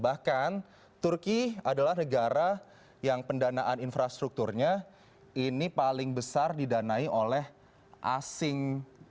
bahkan turki adalah negara yang pendanaan infrastrukturnya ini paling besar didanai oleh asing